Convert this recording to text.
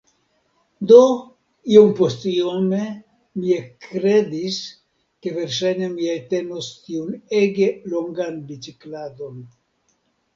Do, iompostiome mi ekkredis, ke verŝajne mi eltenos tiun ege longan bicikladon.